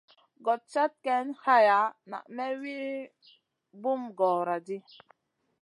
Gòd cad ken haya na may wi bum gòoro ɗi.